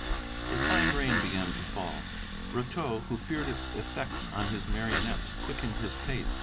A fine rain began to fall. Brotteaux who feared its effects on his marionettes, quickened his pace.